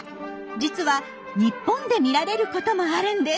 実は日本で見られることもあるんです。